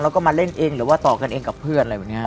แล้วก็มาเล่นเองหรือว่าต่อกันกับเพื่อน